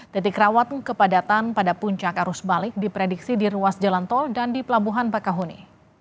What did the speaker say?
titik rawat kepadatan pada puncak arus balik diprediksi di ruas jalan tol dan di pelabuhan bakahuni